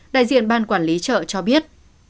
đại diện ban quản lý chợ cho biết